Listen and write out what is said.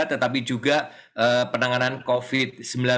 tetapi juga penanganan covid sembilan belas